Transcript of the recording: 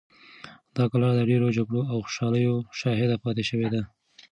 دا کلا د ډېرو جګړو او خوشحالیو شاهده پاتې شوې ده.